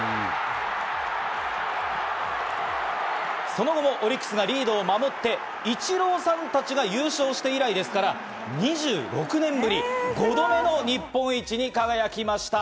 その後もオリックスがリードを守って、イチローさんたちが優勝して以来ですから、２６年ぶり５度目の日本一に輝きました。